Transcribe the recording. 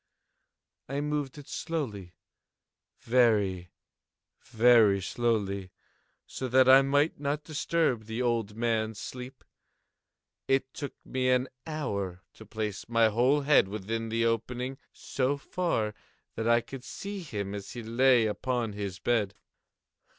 I moved it slowly—very, very slowly, so that I might not disturb the old man's sleep. It took me an hour to place my whole head within the opening so far that I could see him as he lay upon his bed.